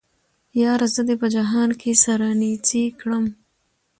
ياره زه دې په جهان کې سره نيڅۍ کړم